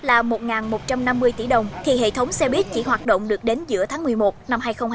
là một một trăm năm mươi tỷ đồng thì hệ thống xe buýt chỉ hoạt động được đến giữa tháng một mươi một năm hai nghìn hai mươi